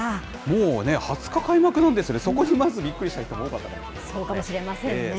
もうね、２０日開幕なんですね、そこにまずびっくりした人も多かったかもしれないですね。